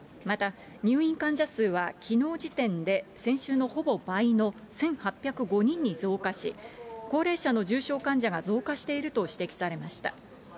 また、入院患者数は、きのう時点で先週のほぼ倍の１８０５人に増加し、高齢者の重症患者が増加していると指摘されました。